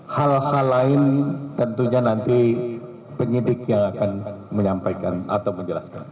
hal hal lain tentunya nanti penyidik yang akan menyampaikan atau menjelaskan